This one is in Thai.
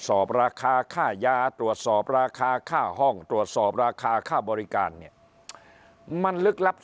สอบราคาค่ายาตรวจสอบราคาค่าห้องตรวจสอบราคาค่าบริการมัน